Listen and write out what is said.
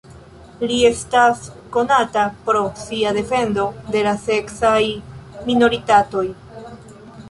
Li estas konata pro sia defendo de la seksaj minoritatoj.